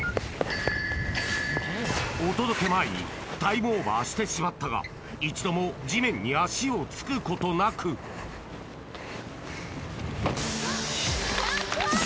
お届け前にタイムオーバーしてしまったが一度も地面に足をつくことなくカッコいい！